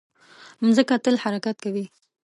مځکه تل حرکت کوي.